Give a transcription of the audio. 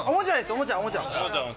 おもちゃおもちゃ。